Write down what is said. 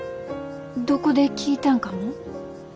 どこで聴いたんかも？